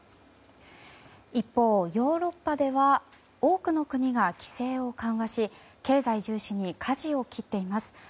一方、ヨーロッパでは多くの国が規制を緩和し経済重視にかじを切っています。